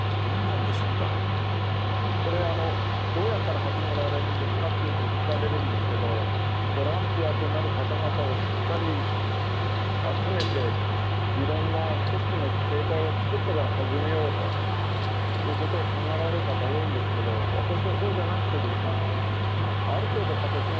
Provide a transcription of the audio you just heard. これどうやったら始められるんですかってよく聞かれるんですけどボランティアとなる方々をしっかり集めていろんな組織の形態を作ってから始めようということを考えられる方多いんですけど私はそうじゃなくてですねある程度形ができたら始めて下さいと。